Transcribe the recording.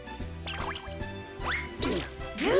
グー！